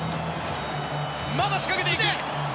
まだ仕掛けていく！